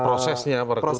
prosesnya apa rekrutannya